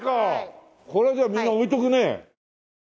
これじゃあみんな置いとくね。